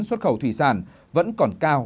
xuất khẩu thủy sản vẫn còn cao